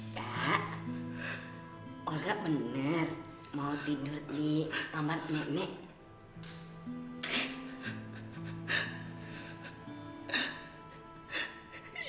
tak olga benar mau tidur di kamar nenek